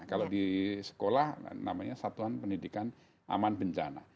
kalau di sekolah namanya satuan pendidikan aman bencana